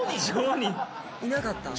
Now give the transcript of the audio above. いなかった？